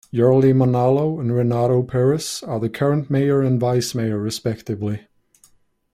Jurly Manalo and Renato Perez are the current mayor and vice mayor, respectively.